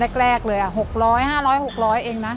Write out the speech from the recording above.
วันแรกเลยอะ๖๐๐๕๐๐เองนะ